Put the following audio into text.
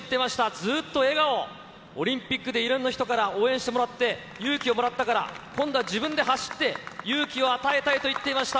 ずっと笑顔、オリンピックでいろんな人から応援してもらって、勇気をもらったから、今度は自分で走って、勇気を与えたいと言っていました。